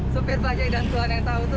supir bajai dan tuhan yang tahu itu